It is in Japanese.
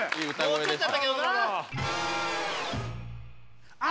もうちょっとやったけどなあ